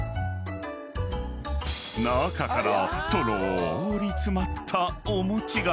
［中からとろーり詰まったお餅が］